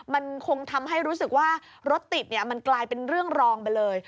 มันคงทำให้รู้สึกว่ารถติดมันกลายเป็นเรื่องรองไปเลย